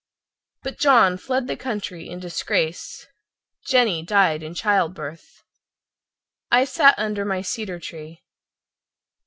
But John fled the country in disgrace. Jenny died in child birth— I sat under my cedar tree.